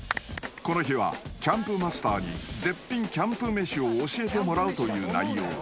［この日はキャンプマスターに絶品キャンプ飯を教えてもらうという内容］